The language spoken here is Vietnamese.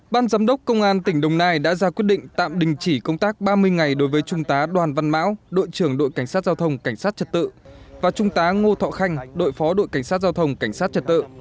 ban giám đốc công an tỉnh đồng nai đã ra quyết định tạm đình chỉ công tác ba mươi ngày đối với trung tá đoàn văn mão đội trưởng đội cảnh sát giao thông cảnh sát trật tự và trung tá ngô thọ khanh đội phó đội cảnh sát giao thông cảnh sát trật tự